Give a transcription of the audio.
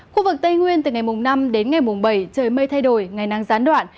khu vực tây nguyên từ ngày năm đến ngày bảy trời mây thay đổi ngày nắng gián đoạn